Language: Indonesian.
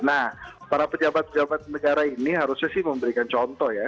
nah para pejabat pejabat negara ini harusnya sih memberikan contoh ya